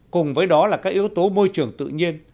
cùng với đó là các yếu tố môi trường tự nhiên